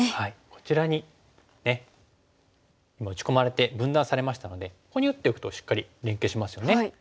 こちらに今打ち込まれて分断されましたのでここに打っておくとしっかり連係しますよね。